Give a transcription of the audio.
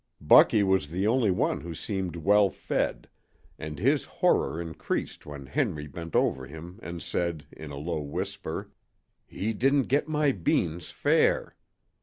Bucky was the only one who seemed well fed, and his horror increased when Henry bent over him and said, in a low whisper: "He didn't get my beans fair.